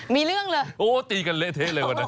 มีเรื่องเลยโอ้ตีกันเละเทะเลยวันนั้น